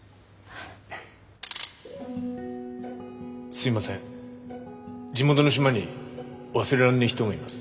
すいません地元の島に忘れらんねえ人がいます。